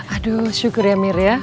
aduh syukur ya mir ya